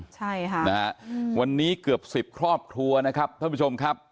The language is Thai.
ใช่ค่ะนะฮะวันนี้เกือบ๑๐ครอบครัวนะครับท่านผู้ชมครับ